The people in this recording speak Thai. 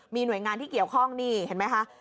มีหน่วยงานที่เกี่ยวข้องนี่เห็นไหมคะ